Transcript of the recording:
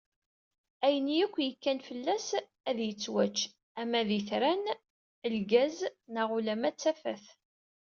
Ayen akk yekkan fell-as ad yettwačč, ama d itran, lgaz neɣ ulamma d tafat.